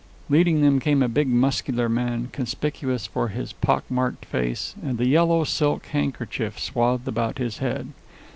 Leading them came a big, muscular man, conspicuous for his pock marked face and the yellow silk handkerchief swathed about his head.